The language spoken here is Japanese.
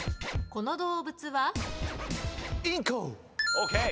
この動物は？